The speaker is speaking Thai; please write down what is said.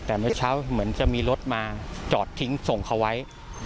แต่เมื่อเช้าเหมือนจะมีรถมาจอดทิ้งส่งเขาไว้